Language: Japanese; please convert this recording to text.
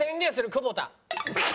久保田。